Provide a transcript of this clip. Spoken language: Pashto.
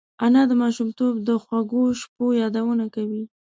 انا د ماشومتوب د خوږو شپو یادونه کوي